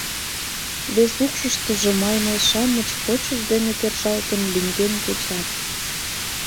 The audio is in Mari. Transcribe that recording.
Вес укшыштыжо маймыл-шамыч почышт дене кержалтын лӱҥген кечат.